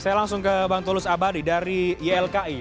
saya langsung ke bang tulus abadi dari ylki